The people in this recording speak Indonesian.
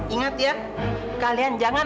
ingat ya kalian jangan